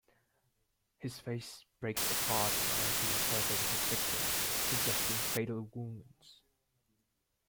His face breaks apart while he is celebrating his victory, suggesting fatal wounds.